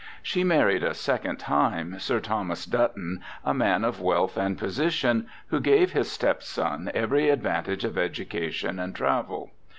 She married a second time, Sir Thomas Button, a man of wealth and position, who gave his stepson every advantage of education and travel.